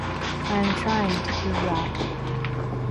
I am trying to prove that.